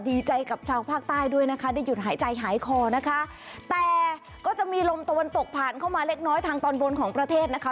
ดีใจกับชาวภาคใต้ด้วยนะคะได้หยุดหายใจหายคอนะคะแต่ก็จะมีลมตะวันตกผ่านเข้ามาเล็กน้อยทางตอนบนของประเทศนะคะ